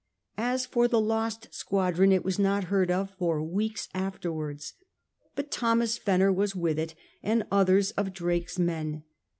As for the lost squadron it was not heard of for weeks afterwards. But Thomas Fenner was with it and others of Drake's men.